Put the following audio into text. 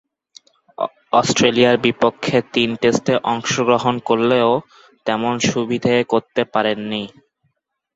অস্ট্রেলিয়ার বিপক্ষে তিন টেস্টে অংশগ্রহণ করলেও তেমন সুবিধে করতে পারেননি।